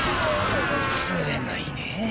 つれないねぇ。